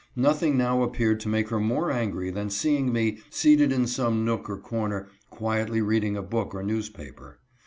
Nothing now appeared to make her more angry than seeing me, seated in some nook or corner, quietly reading a book or newspaper.